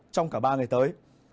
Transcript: trong cả ba ngày tới